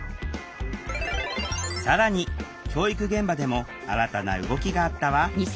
更に教育現場でも新たな動きがあったわ。